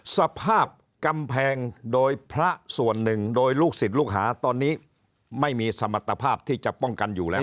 สภาพกำแพงโดยพระส่วนหนึ่งโดยลูกศิษย์ลูกหาตอนนี้ไม่มีสมรรถภาพที่จะป้องกันอยู่แล้ว